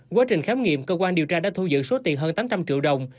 quá trình khám nghiệm cơ quan điều tra đã thu giữ số tiền hơn tám trăm linh triệu đồng